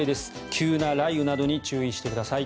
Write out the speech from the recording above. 急な雷雨などに注意してください。